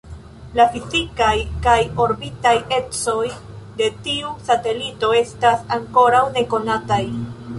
La fizikaj kaj orbitaj ecoj de tiu satelito estas ankoraŭ nekonataj.